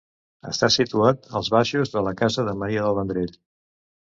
Està situat als baixos de la casa de Maria del Vendrell.